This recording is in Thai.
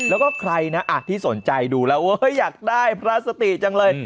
แล้วก็ใครนะที่สนใจดูแล้วอยากได้พลาสติจังเลย